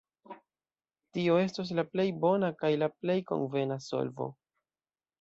Tio estos la plej bona kaj la plej konvena solvo.